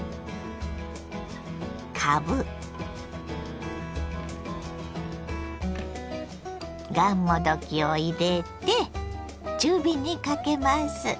かぶがんもどきを入れて中火にかけます。